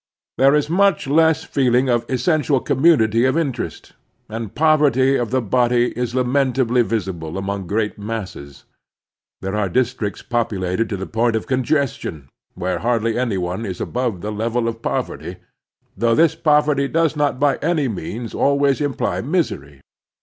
There is much less feeling of essential commtinity of interest, and poverty of the body is lamentably visible among great masses. There are districts populated to the point of congestion, where hardly any one is above the level of poverty, though this poverty does not by any means always imply misery.